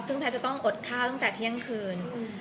ซึ่งแพทย์จะต้องอดข้าวตั้งแต่เที่ยงคืน